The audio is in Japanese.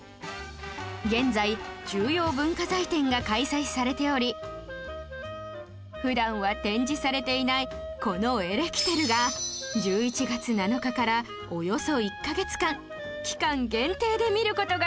現在重要文化財展が開催されており普段は展示されていないこのエレキテルが１１月７日からおよそ１カ月間期間限定で見る事ができるんです